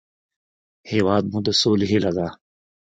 هېواد مو د سولې هیله ده